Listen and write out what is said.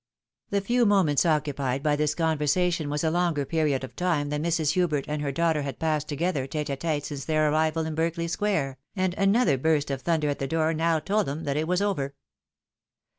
The few moments occupied by this conversation was a longer period of time than Mrs. Hubert and her daughter had passed together tete a tete since their arrival in Berkeley square, and another burst of thunder at the door now told them that it was over.